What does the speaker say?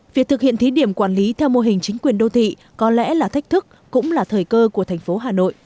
việc thực hiện thí điểm quản lý theo mô hình chính quyền đô thị có lẽ là thách thức cũng là thời cơ của thành phố hà nội